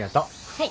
はい。